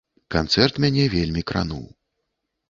Канцэрт мяне вельмі крануў.